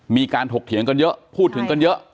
ถกเถียงกันเยอะพูดถึงกันเยอะ